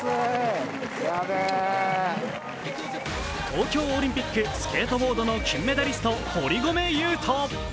東京オリンピック、スケートボードの金メダリスト・堀米雄斗。